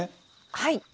はい。